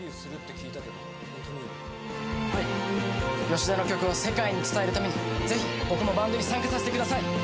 吉田の曲を世界に伝えるために、ぜひ、僕もバンドに参加させてください。